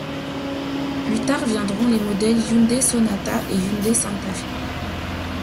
Plus tard viendront les modèles Hyundai Sonata et Hyundai Santa Fe.